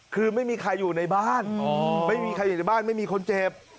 คือไม่มีใครอยู่ในบ้านไม่มีใครอยู่ในบ้านไม่มีคนเจ็บ